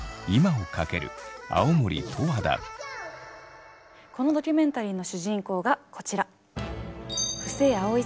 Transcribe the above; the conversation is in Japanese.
このドキュメンタリーの主人公がこちら。